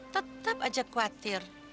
tetep aja khawatir